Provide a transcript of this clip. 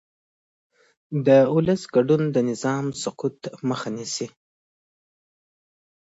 د ولس ګډون د نظام سقوط مخه نیسي